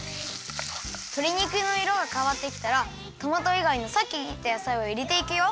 とり肉のいろがかわってきたらトマトいがいのさっき切った野菜をいれていくよ。